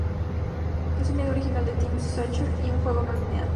Es una idea original de Tim Schafer y un juego no lineal.